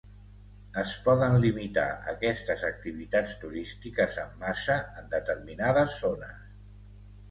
Es poden limitar aquestes activitats turístiques en massa en determinades zones.